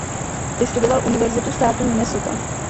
Vystudoval Universitu státu Minnesota.